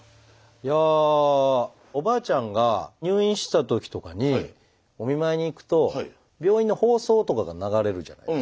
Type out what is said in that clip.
いやおばあちゃんが入院してた時とかにお見舞いに行くと病院の放送とかが流れるじゃないですか。